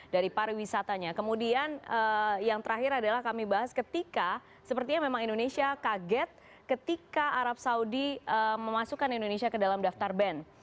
dari pariwisatanya kemudian yang terakhir adalah kami bahas ketika sepertinya memang indonesia kaget ketika arab saudi memasukkan indonesia ke dalam daftar band